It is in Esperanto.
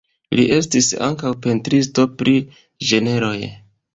Li estis ankaŭ pentristo pri ĝenroj.